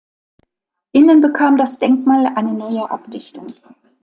Innen bekam das Denkmal eine neue Abdichtung.